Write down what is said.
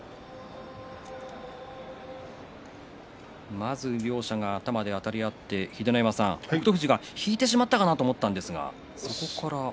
まず両者が頭であたり合って秀ノ山さん、北勝富士が引いてしまったかなと思いました。